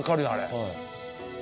はい。